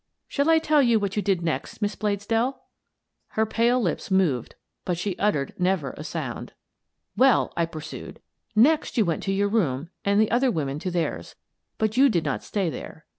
Shall I tell you what you did next, Miss Bladesdell?" Her pale lips moved, but she uttered never a sound. " Well," I pursued, " next you went to your room and the other women to theirs. But you did not stay there.